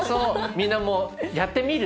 みんなもやってみる？